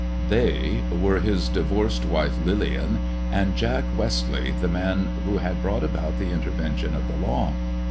" They " were his divorced wife Lillian, and Jack West eigh, the man who had brought about the intervention of ^e law.